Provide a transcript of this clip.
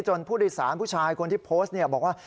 ผู้โดยสารผู้ชายคนที่โพสต์บอกว่า